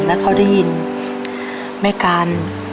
แล้วเขาได้ยินแม่กัน